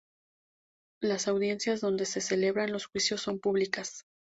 Las audiencias donde se celebran los juicios son públicas.